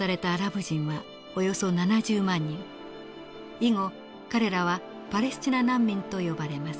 以後彼らはパレスチナ難民と呼ばれます。